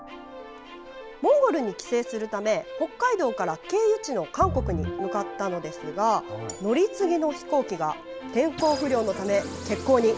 モンゴルに帰省するため北海道から経由地の韓国に向かったのですが乗り継ぎの飛行機が天候不良のため欠航に。